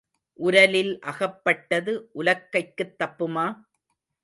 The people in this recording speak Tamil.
உரலில் அகப்பட்டது உலக்கைக்குத் தப்புமா?